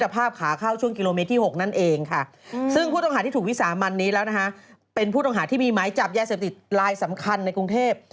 เป็นผู้ต้องหาที่มีหมายจับแย่เสพติดไลน์สำคัญในกรุงเทพฯ